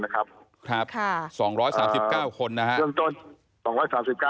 ครับ๒๓๙คนนะครับ